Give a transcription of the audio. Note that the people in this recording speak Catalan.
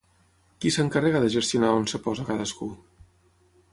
Qui s'encarrega de gestionar on es posa cadascú?